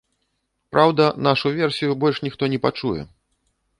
Праўда, нашу версію больш ніхто не пачуе.